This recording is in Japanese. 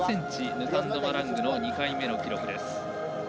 ヌタンド・マラングの２回目の記録です。